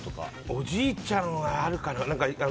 おじいちゃんはあるかな。